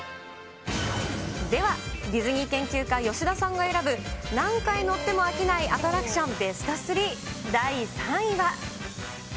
では、ディズニー研究家、吉田さんが選ぶ何回乗っても飽きないアトラクションベスト３、第３位は。